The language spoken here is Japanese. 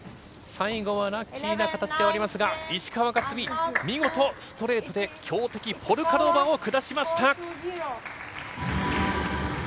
最後はラッキーな形ではありますが石川佳純、見事ストレートで強敵ポルカノバを下しました。